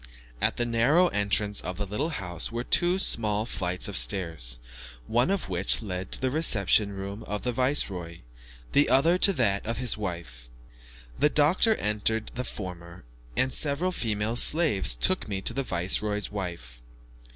At the narrow entrance of the little house were two small flights of stairs, one of which led to the reception room of the viceroy, the other to that of his wife. The doctor entered the former and several female slaves took me to the viceroy's wife.